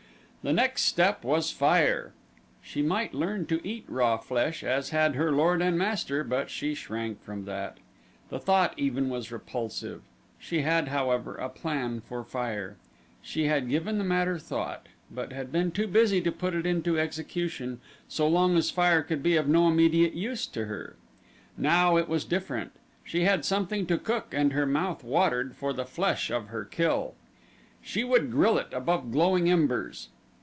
The next step was fire. She might learn to eat raw flesh as had her lord and master; but she shrank from that. The thought even was repulsive. She had, however, a plan for fire. She had given the matter thought, but had been too busy to put it into execution so long as fire could be of no immediate use to her. Now it was different she had something to cook and her mouth watered for the flesh of her kill. She would grill it above glowing embers.